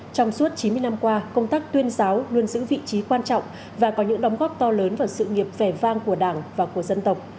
trong suốt chín mươi năm qua công tác tuyên giáo luôn giữ vị trí quan trọng và có những đóng góp to lớn vào sự nghiệp vẻ vang của đảng và của dân tộc